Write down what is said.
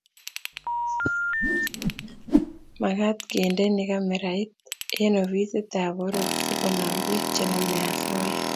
makat kendeni kamerait eng ofisit ap poror sikonam pik chenamei osoya